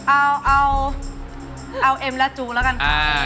เอาเอ็มและจู้ละกัน